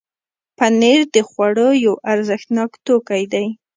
پنېر د خوړو یو ارزښتناک توکی دی.